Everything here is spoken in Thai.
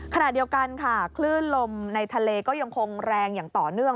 ขณะเดียวกันค่ะคลื่นลมในทะเลก็ยังคงแรงอย่างต่อเนื่อง